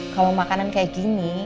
kalau makanan kayak gini